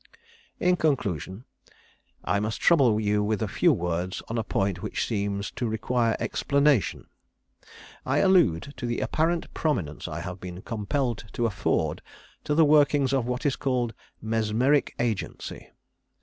"In conclusion, I must trouble you with a few words on a point which seems to require explanation. I allude to the apparent prominence I have been compelled to afford to the workings of what is called 'Mesmeric Agency.'